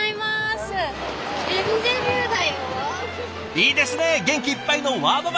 いいですね元気いっぱいのワーママランチ。